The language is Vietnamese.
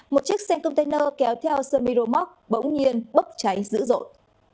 một chiếc xe container kéo theo sermiro moc bỗng nhiên bấp cháy dữ dội